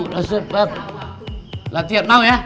latihan mau ya